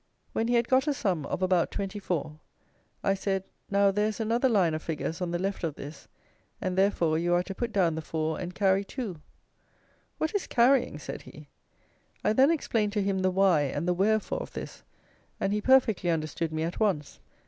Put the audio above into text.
When we had got a sum of about 24, I said now there is another line of figures on the left of this, and therefore you are to put down the 4 and carry 2. "What is carrying?" said he. I then explained to him the why and the wherefore of this, and he perfectly understood me at once.